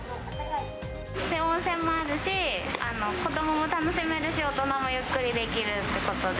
温泉もあるし、子どもも楽しめるし、大人もゆっくりできるってことで。